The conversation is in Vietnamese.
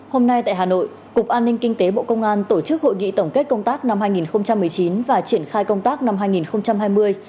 hôm nay tại hà nội cục an ninh kinh tế bộ công an tổ chức hội nghị tổng kết công tác năm hai nghìn một mươi chín và triển khai công tác năm hai nghìn hai mươi